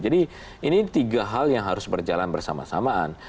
jadi ini tiga hal yang harus berjalan bersamaan